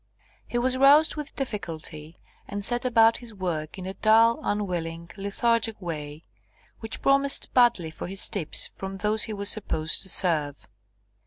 He was roused with difficulty, and set about his work in a dull, unwilling, lethargic way, which promised badly for his tips from those he was supposed to serve.